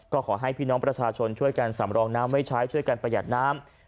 ก็ขอให้พี่น้องประชาชนช่วยกันสำรองน้ำไว้ใช้ช่วยกันประหยัดน้ำ